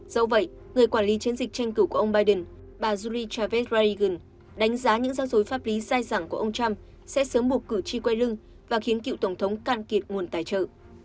dẫu vậy người quản lý chiến dịch tranh cử của ông biden bà juri chávez ralygan đánh giá những giao dối pháp lý dai dẳng của ông trump sẽ sớm buộc cử tri quay lưng và khiến cựu tổng thống can kiệt nguồn tài trợ